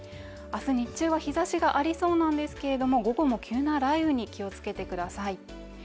明日日中は日ざしがありそうなんですけど午後も急な雷雨に気をつけてください。